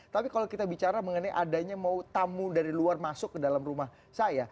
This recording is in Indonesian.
tapi kalau kita bicara mengenai adanya mau tamu dari luar masuk ke dalam rumah saya